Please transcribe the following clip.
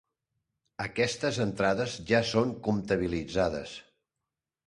Aquestes entrades ja són comptabilitzades.